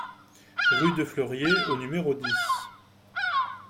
Rue de Fleurier au numéro dix